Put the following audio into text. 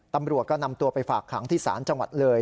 ตำรวจก็นำตัวไปฝากขังที่ศาลจังหวัดเลย